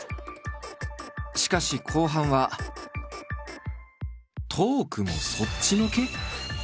しかし後半はトークもそっちのけ！？